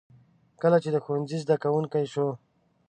کله چې د ښوونځي زده کوونکی شو.